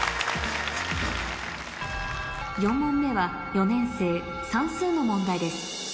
４問目は４年生算数の問題です